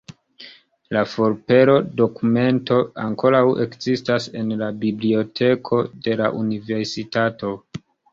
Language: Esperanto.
La forpelo-dokumento ankoraŭ ekzistas en la biblioteko de la universitato.